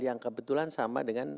yang kebetulan sama dengan